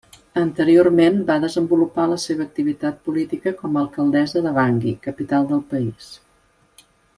Anteriorment va desenvolupar la seva activitat política com a alcaldessa de Bangui, capital del país.